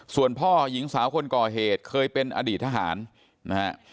ส่วนพ่อหญิงสาวคนก่อเหตุเคยเป็นอดีตทหารนะฮะ